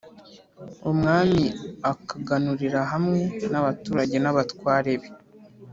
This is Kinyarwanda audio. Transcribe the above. umwami akaganurira hamwe n’abaturage n’abatware be.